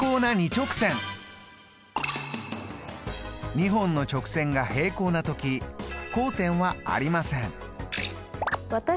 ２本の直線が平行な時交点はありません。